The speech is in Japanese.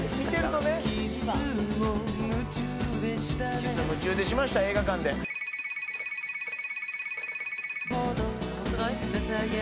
キス夢中でしました映画館で長くない？